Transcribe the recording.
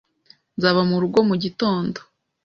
Nzaba murugo mugitondo.